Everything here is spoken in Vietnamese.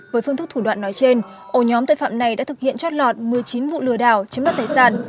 với phương thức thủ đoạn nói trên ổ nhóm tội phạm này đã thực hiện trót lọt một mươi chín vụ lừa đảo chiếm đoạt tài sản